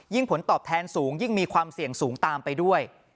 ผลตอบแทนสูงยิ่งมีความเสี่ยงสูงตามไปด้วย